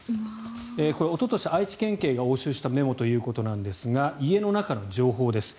これはおととし愛知県警が押収したメモということですが家の中の情報です。